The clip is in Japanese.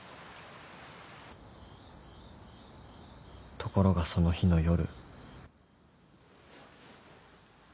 ［ところがその日の夜］